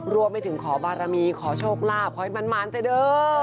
รวมไปถึงขอบารมีขอโชคลาภขอให้หมานแต่เด้อ